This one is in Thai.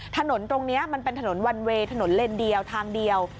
ถนนตรงนี้มันเป็นถนนวันเวย์ถนนเลนเดียวทางเดียว